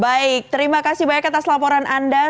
baik terima kasih banyak atas laporan anda